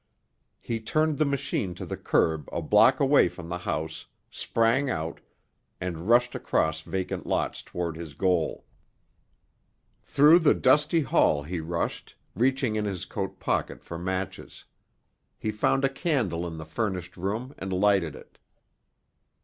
He turned the machine to the curb a block away from the house, sprang out, and rushed across vacant lots toward his goal. Through the dusty hall he rushed, reaching in his coat pocket for matches. He found a candle in the furnished room and lighted it.